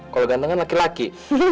kalau ganteng kan laki laki